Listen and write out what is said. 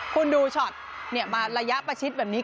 คุณดูช็อตมาระยะประชิดแบบนี้